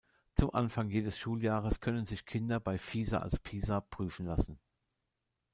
Zum Anfang jedes Schuljahres können sich Kinder bei "Fieser als Pisa" prüfen lassen.